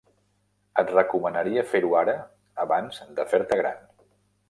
Et recomanaria fer-ho ara abans de fer-te gran.